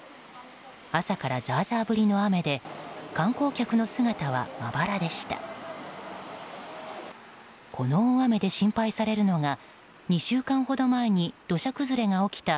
朝からザーザー降りの雨で観光客の姿はまばらでした。